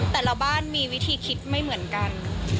แต่ละบ้านมีวิธีคิดไม่เหมือนกัน